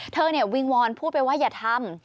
วิงวอนพูดไปว่าอย่าทำ